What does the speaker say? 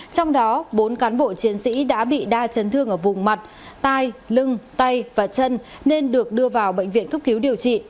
trong đó bốn cán bộ chiến sĩ đã bị đa chấn thương ở vùng mặt tai lưng tay và chân nên được đưa vào bệnh viện cấp cứu điều trị